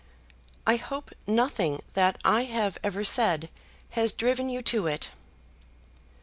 "I hope nothing that I have ever said has driven you to it."